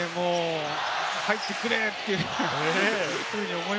入ってくれ！っていう。